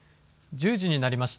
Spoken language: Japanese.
１０時になりました。